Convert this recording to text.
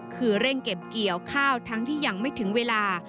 คือเร่งเก็บเกี่ยวข้าวทั้งที่ยังไม่ถึงเวลา